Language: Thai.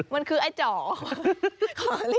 มันคือไอ้เจาะ